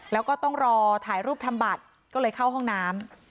แล้วก็ต้องรอถ่ายรูปทำบัตรก็เลยเข้าห้องน้ำ